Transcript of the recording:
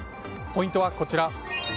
ポイントはこちら。